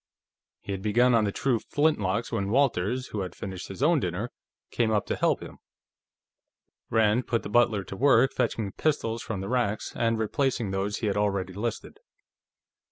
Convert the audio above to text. He had begun on the true flintlocks when Walters, who had finished his own dinner, came up to help him. Rand put the butler to work fetching pistols from the racks, and replacing those he had already listed.